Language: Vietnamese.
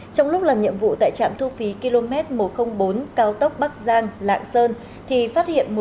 trong lúc làm nhiệm vụ tại trạm thu phí km một trăm linh bốn cao cấp